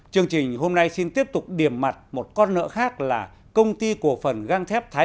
chương trình hôm nay xin tiếp tục điểm mặt một con nợ khác là công ty cổ phần găng thép thái